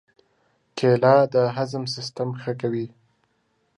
کېله د هضم سیستم ښه کوي.